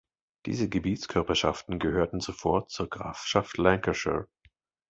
Diese Gebietskörperschaften gehörten zuvor zur Grafschaft Lancashire.